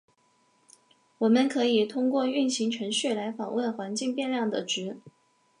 我们可以通过运行程序来访问环境变量的值。